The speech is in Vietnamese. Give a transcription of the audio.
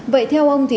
vậy theo ông thì